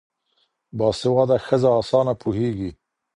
باسواده ښځه اسانه پوهيږي